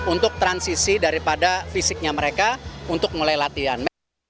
untuk transisi daripada fisiknya mereka untuk mulai latihan